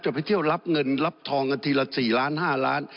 ไปเที่ยวรับเงินรับทองกันทีละ๔ล้าน๕ล้าน